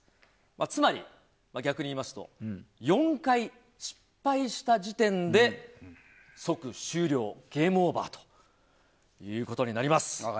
つまり、逆に言いますと４回失敗した時点で即終了、ゲームオーバーということになります。